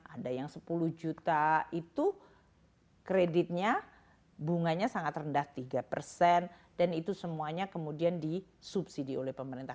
ada yang sepuluh juta itu kreditnya bunganya sangat rendah tiga persen dan itu semuanya kemudian disubsidi oleh pemerintah